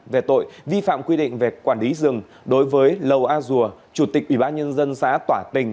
về tội vi phạm quy định về quản lý rừng đối với lầu a dùa chủ tịch ủy ban nhân dân xã tỏa tình